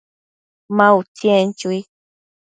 Ma utsi, en chui